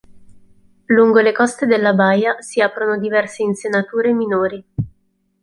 Lungo le coste della baia si aprono diverse insenature minori.